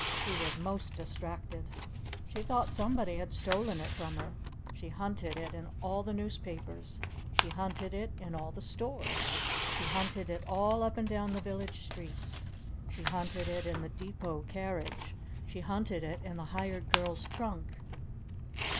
She was most distracted! She thought somebody had stolen it from her! She hunted it in all the Newspapers! She hunted it in all the stores! She hunted it all up and down the Village streets! She hunted it in the Depot carriage! She hunted it in the Hired Girl's trunk!